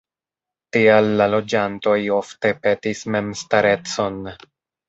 Tial la loĝantoj ofte petis memstarecon.